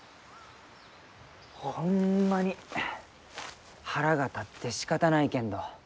ホンマに腹が立ってしかたないけんど。